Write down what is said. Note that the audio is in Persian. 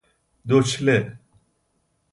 دوچله